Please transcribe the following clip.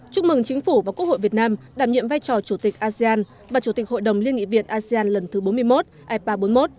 chúc mừng chính phủ và quốc hội việt nam đảm nhiệm vai trò chủ tịch asean và chủ tịch hội đồng liên nghị viện asean lần thứ bốn mươi một ipa bốn mươi một